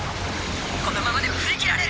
このままでは振り切られる。